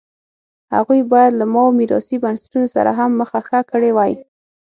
هغوی باید له ماوو میراثي بنسټونو سره هم مخه ښه کړې وای.